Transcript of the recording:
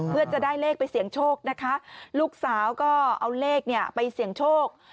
เพื่อจะได้เลขไปเสี่ยงโชคนะคะลูกสาวก็เอาเลขเนี่ยไปเสี่ยงโชค